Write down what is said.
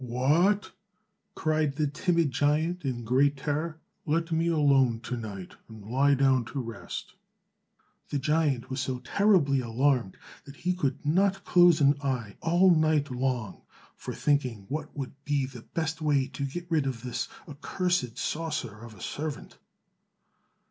"What!" cried the timid giant in great terror; "Let well alone to night, and lie down to rest." The giant was so terribly alarmed that he could not close an eye all night long for thinking what would be the best way to get rid of this accursed sorcerer of a servant.